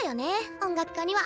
音楽科には。